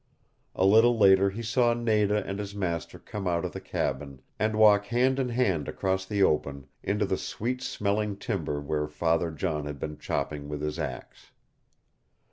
A little later he saw Nada and his master come out of the cabin, and walk hand in hand across the open into the sweet smelling timber where Father John had been chopping with his axe.